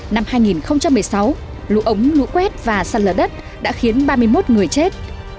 năm hai nghìn một mươi sáu lũ ống lũ quét và sạt lở đất đã khiến ba mươi một người chết